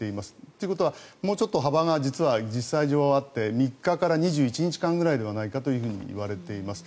ということはもうちょっと幅が実際上あって３日から２１日間くらいではないかといわれています。